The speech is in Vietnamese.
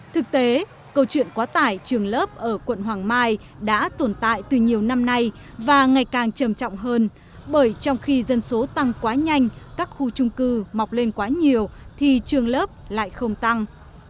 thực tế câu chuyện quá tải trường lớp ở quận hoàng mai đã tồn tại từ nhiều năm nay và ngày càng trầm trọng hơn bởi trong khi dân số tăng quá nhanh các khu trung cư mọc lên quá nhiều thì trường lớp lại không tăng